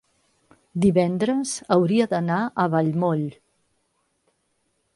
divendres hauria d'anar a Vallmoll.